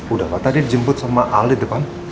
udah lah tadi dijemput sama al di depan